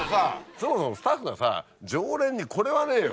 そもそもスタッフがさ常連にこれはねえよ。